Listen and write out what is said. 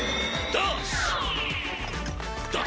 ダーッシュ！